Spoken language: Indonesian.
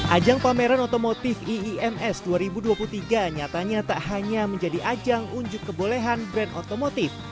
ajang pameran otomotif iims dua ribu dua puluh tiga nyatanya tak hanya menjadi ajang unjuk kebolehan brand otomotif